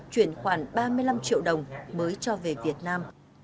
chuyển khoản ba mươi năm triệu đồng mới cho về việt nam